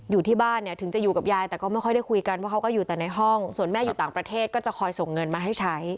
อยู่ที่บ้านเนี่ยถึงจะอยู่กับยายแต่ก็ไม่ค่อยได้คุยกันเพราะเขาก็อยู่แต่ในห้องส่วนแม่อยู่ต่างประเทศก็จะคอยส่งเงินมาให้ใช้